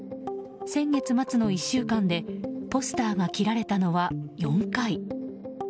先月末の１週間でポスターが切られたのは４回。